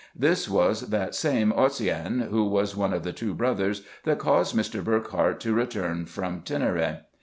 This was that same Osseyn, who was one of the two brothers that caused Mr. Burckhardt to return from Tinareh.